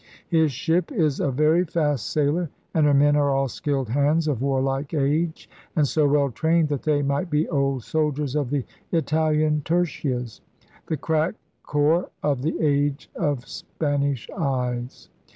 His ship is a very fast sailer and her men are all skilled hands of warlike age and so well trained that they might be old soldiers of the Italian tertias,' the crack corps of the age in Spanish eyes.